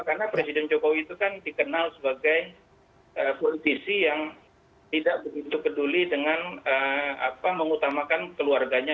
karena presiden jokowi itu kan dikenal sebagai politisi yang tidak begitu peduli dengan mengutamakan keluarganya